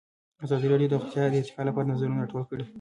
ازادي راډیو د روغتیا د ارتقا لپاره نظرونه راټول کړي.